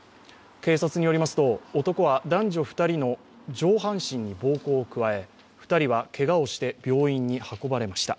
警察によりますと、男は男女２人の上半身に暴行を加え２人は、けがをして病院に運ばれました。